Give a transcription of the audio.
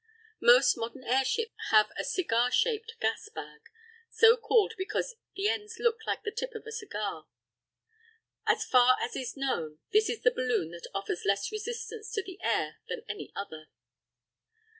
Most modern airships have a "cigar shaped" gas bag, so called because the ends look like the tip of a cigar. As far as is known, this is the balloon that offers less resistance to the air than any other.